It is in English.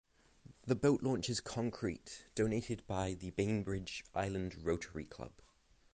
The boat launch is concrete, donated by the Bainbridge Island Rotary Club.